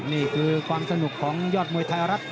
นี่คือความสนุกของยอดมวยไทยรัฐ